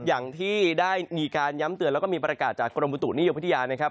อย่างที่ได้มีการย้ำเตือนแล้วก็มีประกาศจากกรมบุตุนิยมพัทยานะครับ